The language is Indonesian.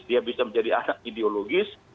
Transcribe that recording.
dia bisa menjadi anak ideologis